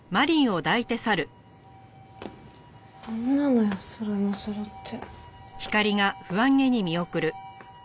なんなのよそろいもそろって。